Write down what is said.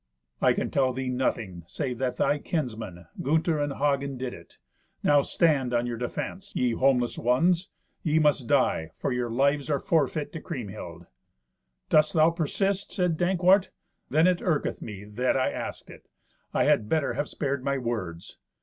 "I can tell thee nothing, save that thy kinsmen, Gunther and Hagen, did it. Now stand on your defence, ye homeless ones. Ye must die, for your lives are forfeit to Kriemhild." "Dost thou persist?" said Dankwart. "Then it irketh me that I asked it. I had better have spared my words."